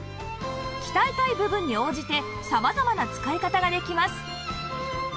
鍛えたい部分に応じて様々な使い方ができます